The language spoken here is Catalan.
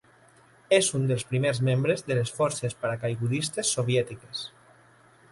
És un dels primers membres de les Forces Paracaigudistes Soviètiques.